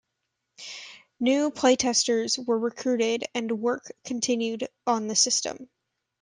New playtesters were recruited and work continued on the system.